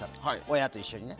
親と一緒にね。